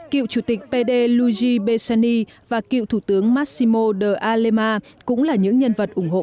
cựu chủ tịch pd luigi bessani và cựu thủ tướng massimo de alema cũng là những nhân vật ủng hộ